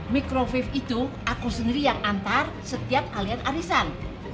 microfive itu aku sendiri yang antar setiap kalian arisan